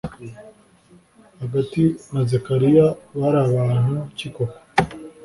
hagayi na zekariya bari bantu ki koko